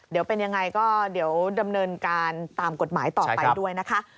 เดี๋ยวเป็นยังไงก็เดี๋ยวดำเนินการตามกฎหมายต่อไปด้วยนะคะ